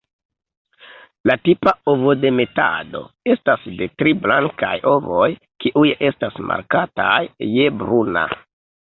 La tipa ovodemetado estas de tri blankaj ovoj, kiuj estas markataj je bruna.